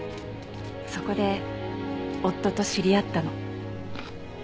そこで夫と知り合ったの。